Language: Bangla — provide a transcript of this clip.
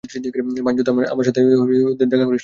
বাইনচোদ, আমার সাথে দেখা করিসনি কেনো?